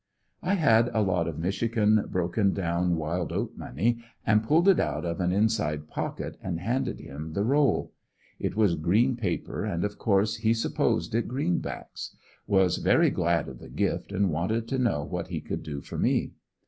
I had a lot of Michigan broken down wild eat money, and pulled it out of an inside pocket aud handed him the roll. It was green paper and of course he supposed it green backs. Was very glad of the gift and wanted to know what he could do for me.